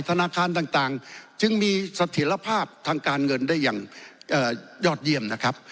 ธนาคารต่างจึงมีเสถียรภาพทางการเงินได้อย่างยอดเยี่ยมนะครับ